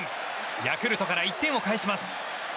ヤクルトから１点を返します。